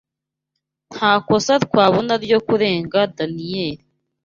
Nta kosa twabona ryo kurega Daniyeli